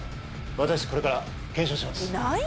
私これから検証します。